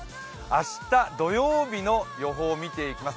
明日、土曜日の予報を見ていきます